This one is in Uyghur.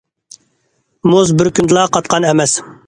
مۇز بىر كۈندىلا قاتقان ئەمەس.